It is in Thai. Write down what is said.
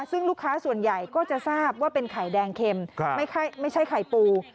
ซึ่งลูกค้าส่วนใหญ่ก็จะทราบว่าเป็นไข่แดงเข็มไม่ใช่ไข่ปู